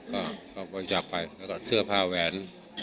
ก็ต้องไปสนับสนุน